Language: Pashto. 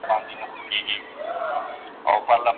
هغه سنګین، هغه سرکښه د سیالیو وطن